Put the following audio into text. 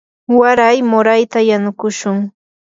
waray murayta yanukushun.